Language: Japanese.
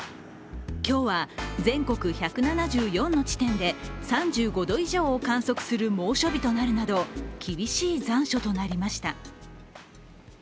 今日は全国１７４の地点で３５度以上を観測する猛暑日となるなど、厳しい残暑となりました。